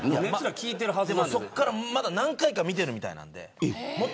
そこから何回かまた見てるみたいなんで。